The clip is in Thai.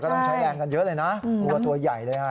ก็ต้องใช้แรงกันเยอะเลยนะเพราะว่าตัวใหญ่เลยค่ะ